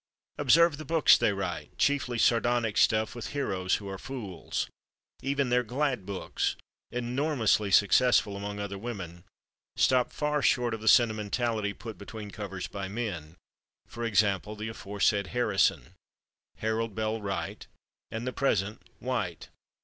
Observe the books they write—chiefly sardonic stuff, with heroes who are fools. Even their "glad" books, enormously successful among other women, stop far short of the sentimentality put between covers by men—for example, the aforesaid Harrison, Harold Bell Wright and the present White.